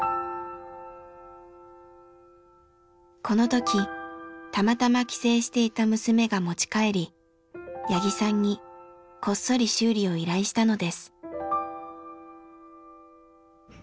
この時たまたま帰省していた娘が持ち帰り八木さんにこっそり修理を依頼したのです。